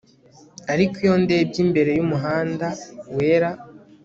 Ariko iyo ndebye imbere yumuhanda wera